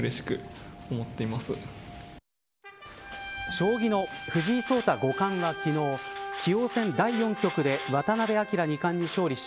将棋の藤井聡太五冠が昨日棋王戦第４局で渡辺明二冠に勝利し